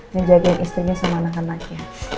menjagain istrinya sama anak anaknya